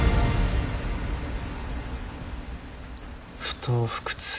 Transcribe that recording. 「不撓不屈」